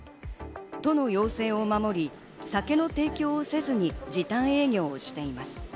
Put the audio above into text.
都の要請を守り、酒の提供をせずに時短営業しています。